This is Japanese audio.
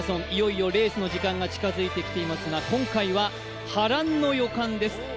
いよいよレースの時間が近づいていますが今回は、波乱の予感です。